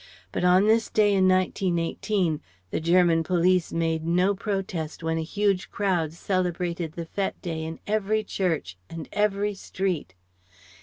But on this day in 1918, the German police made no protest when a huge crowd celebrated the fête day in every church and every street.